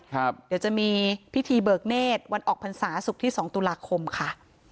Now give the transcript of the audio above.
เดี๋ยวจะมีพิธีเบิกเนธวันออกพรรษาศุกร์ที่สองตุลาคมค่ะ